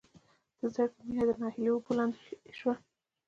د زدکړې مینه د ناهیلۍ اوبو لاندې شوه